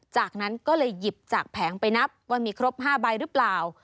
จากนั้นก็เลยหยิบจากแผงไปนับว่ามีครบ๕ใบหรือเปล่า